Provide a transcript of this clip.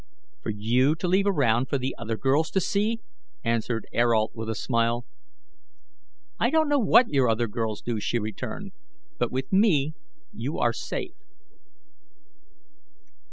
"For you to leave around for other girls to see," answered Ayrault with a smile. "I don't know what your other girls do," she returned, "but with me you are safe."